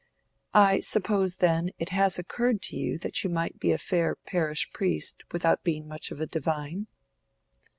"I suppose, then, it has occurred to you that you might be a fair parish priest without being much of a divine?"